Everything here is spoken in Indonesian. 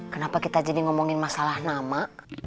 kenapa kita jadi ngomongin masalah nama